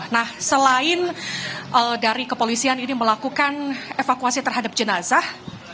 nah selain dari kepolisian ini melakukan evakuasi terhadap jenazah